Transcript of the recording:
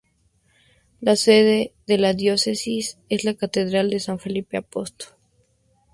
La sede de la Diócesis es la Catedral de San Felipe Apóstol.